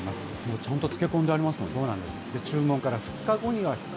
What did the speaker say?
ちゃんと漬け込んでありますね。